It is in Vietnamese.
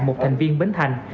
của một thành viên bến thành